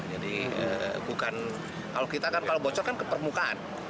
jadi bukan kalau kita kan kalau bocor kan ke permukaan